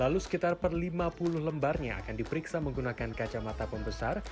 lalu sekitar per lima puluh lembarnya akan diperiksa menggunakan kacamata pembesar